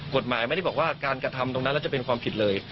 กฎหมายไม่ได้บอกว่าการกระทำตรงนั้นแล้วจะเป็นความผิดเลย